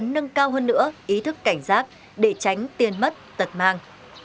nâng cao hơn nữa ý thức cảnh giác để tránh tiền mất tật mang